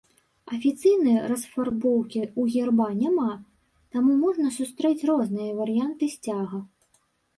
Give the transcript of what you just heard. Афіцыйнай расфарбоўкі ў герба няма, таму можна сустрэць розныя варыянты сцяга.